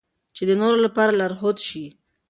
چې د نورو لپاره لارښود شي.